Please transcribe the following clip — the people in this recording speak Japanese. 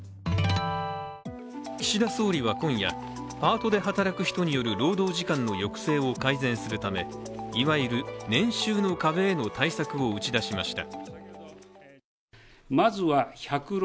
岸田総理は今夜、パートで働く人による労働時間の抑制を改善するためいわゆる年収の壁への対策を打ち出しました。